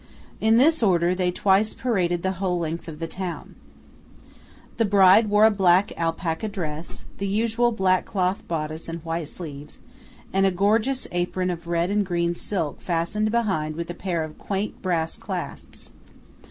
In this order, they twice paraded the whole length of the town. The bride wore a black alpaca dress; the usual black cloth bodice and white sleeves; and a gorgeous apron of red and green silk fastened behind with a pair of quaint brass clasps.